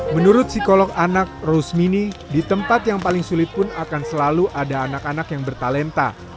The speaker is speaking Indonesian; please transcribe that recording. menurut psikolog anak rusmini di tempat yang paling sulit pun akan selalu ada anak anak yang bertalenta